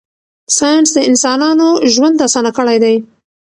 ساینس د انسانانو ژوند اسانه کړی دی.